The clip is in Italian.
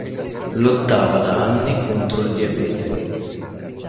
Lottava da anni contro il diabete.